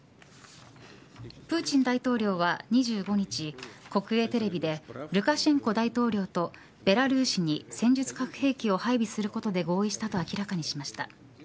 プーチン大統領は２５日国営テレビでルカシェンコ大統領とベラルーシに戦術核兵器を配備することで合意したと明らかにしました。